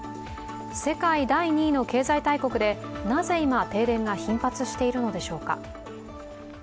世界第２位の経済大国でなぜ今、停電が頻発しているのでしょうか。